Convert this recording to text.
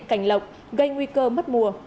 cảnh lọc gây nguy cơ mất mùa